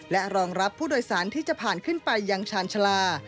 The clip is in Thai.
และรองรับผู้โดยสารที่จะผ่านขึ้นไปยังชาญชาลา